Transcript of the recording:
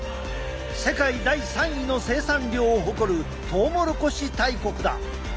世界第３位の生産量を誇るトウモロコシ大国だ。